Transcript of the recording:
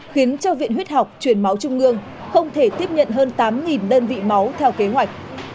khiến cho viện huyết học truyền máu trung ương không thể tiếp nhận hơn tám đơn vị máu theo kế hoạch